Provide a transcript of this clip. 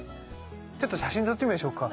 ちょっと写真撮ってみましょうか。